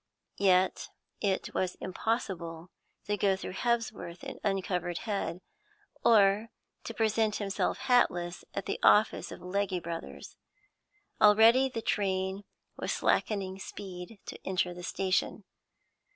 Yet it was impossible to go through Hebsworth with uncovered head, or to present himself hatless at the office of Legge Brothers. Already the train was slackening speed to enter the station.